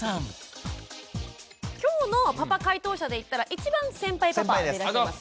今日のパパ解答者でいったら一番先輩パパになります。